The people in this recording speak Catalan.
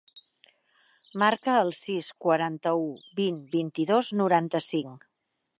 Marca el sis, quaranta-u, vint, vint-i-dos, noranta-cinc.